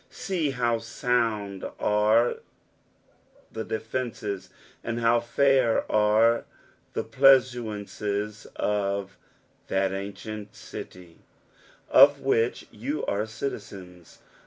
See how sound are the efences, and how fair ere the plea&aunces of " that aoctent citie," of which you are citizens.